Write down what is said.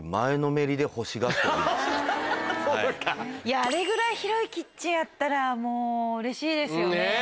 あれぐらい広いキッチンあったらうれしいですよね。